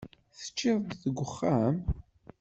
Teččiḍ-d deg uxxam?